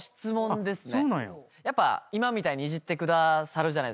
やっぱ今みたいにいじってくださるじゃないですか。